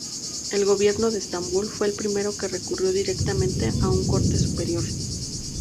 El gobierno de Estambul fue el primero que recurrió directamente a una corte superior.